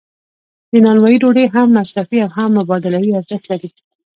د نانوایی ډوډۍ هم مصرفي او هم مبادلوي ارزښت لري.